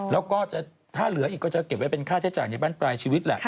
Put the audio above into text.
แล้วก็ถ้าเหลืออีกก็จะเก็บไว้เป็นค่าใช้จ่ายในบ้านปลายชีวิตแหละ